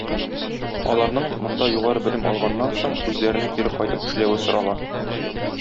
Аларның, монда югары белем алганнан соң, үзләренә кире кайтып эшләве сорала.